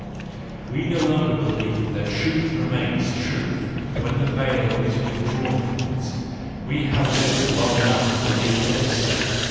... We no longer believe that truth remains truth when the veil is withdrawn from it; we have lived long enough to believe this.